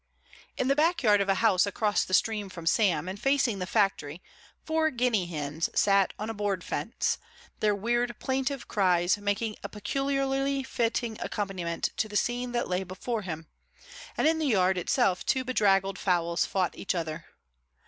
In the back yard of a house across the stream from Sam and facing the factory four guinea hens sat on a board fence, their weird, plaintive cries making a peculiarly fitting accompaniment to the scene that lay before him, and in the yard itself two bedraggled fowls fought each other.